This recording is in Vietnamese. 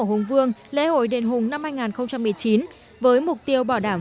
tổ hùng vương lễ hội đền hùng năm hai nghìn một mươi chín với mục tiêu bảo đảm